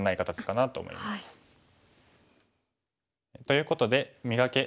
ということで「磨け！